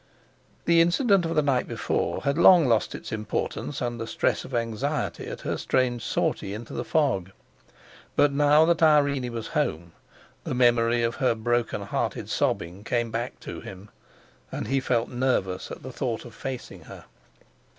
The incident of the night before had long lost its importance under stress of anxiety at her strange sortie into the fog. But now that Irene was home, the memory of her broken hearted sobbing came back to him, and he felt nervous at the thought of facing her.